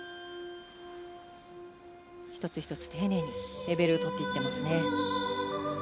１つ１つ丁寧にレベルをとっていますね。